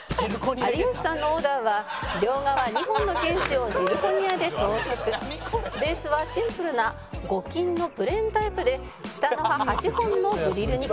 「有吉さんのオーダーは両側２本の犬歯をジルコニアで装飾」「ベースはシンプルな５金のプレーンタイプで下の歯８本のグリルに」